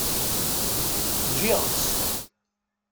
Giɣ-tt.